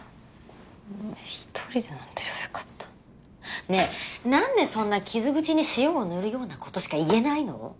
もう１人で飲んでりゃよかったねぇなんでそんな傷口に塩を塗るようなことしか言えないの？